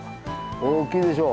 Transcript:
大きいでしょ。